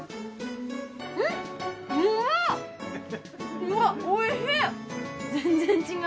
うわっ美味しい！